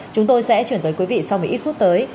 chúng tôi sẽ chuyển tới quý vị sau một ít phút tới